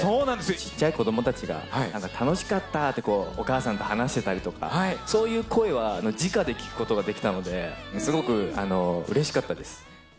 ちっちゃい子どもたちが、楽しかったって、お母さんと話してたりとか、そういう声はじかで聞くことができたので、すごくうれしかったです。